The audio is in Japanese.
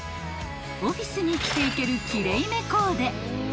［オフィスに着ていける奇麗めコーデ］